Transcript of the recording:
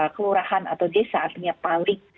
kelurahan atau desa artinya paling